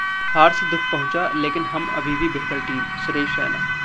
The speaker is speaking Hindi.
हार से दुख पहुंचा, लेकिन हम अभी भी बेहतर टीमः सुरेश रैना